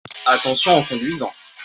Attention en conduisant.